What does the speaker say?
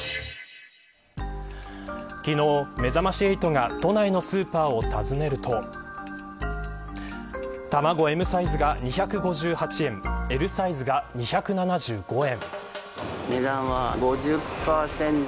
昨日、めざまし８が都内のスーパーを訪ねると卵Ｍサイズが２５８円Ｌサイズが２７５円。